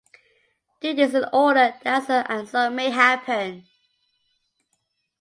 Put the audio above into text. Do this in order that so and so may happen.